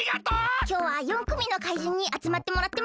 きょうは４くみの怪人にあつまってもらってます。